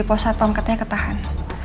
di posat pemeketnya ketahan